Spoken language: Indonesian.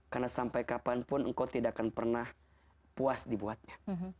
karena sampai kapanpun engkau tidak akan pernah puas dibuatnya